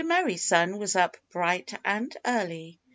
MERRY SUN was up bright and early.